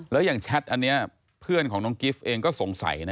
แล้วอย่างแชทอันนี้เพื่อนของน้องกิฟต์เองก็สงสัยนะ